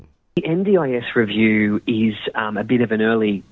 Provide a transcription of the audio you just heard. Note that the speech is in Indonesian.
penelitian ndis adalah sebuah hadiah kemarin untuk pekerja di ndis